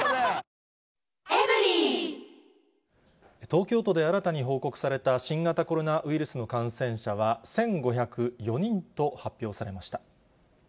東京都で新たに報告された新型コロナウイルスの感染者は１５０４人と発表されました。